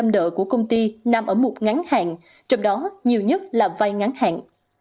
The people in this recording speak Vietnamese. chín mươi hai đợt của công ty nằm ở mục ngắn hạn trong đó nhiều nhất là vai ngắn hạn